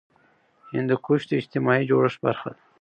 هندوکش د اجتماعي جوړښت برخه ده.